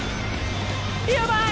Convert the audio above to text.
やばい！